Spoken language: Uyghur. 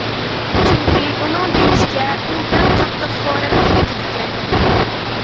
چۈنكى ئۇنىڭ دېيىشىچە، ئۇ بەك قاتتىق خورەك تارتىدىكەن.